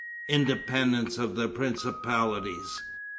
Independence of the Principalities.